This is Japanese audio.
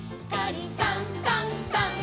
「さんさんさん」